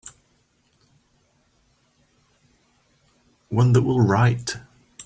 One that will write.